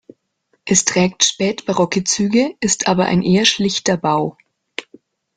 Es trägt spätbarocke Züge, ist aber ein eher schlichter Bau.